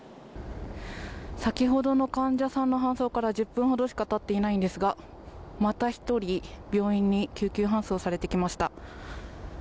先ほどの患者さんの搬送から１０分ほどしか経っていないんですが、また１人病院に救急搬送されてきました。